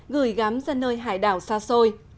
gửi gắm ra nơi hải đảo xa xôi